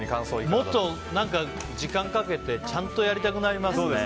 もっと時間かけてちゃんとやりたくなりますね。